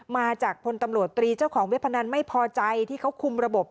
มาจากพลตำรวจตรีเจ้าของเว็บพนันไม่พอใจที่เขาคุมระบบ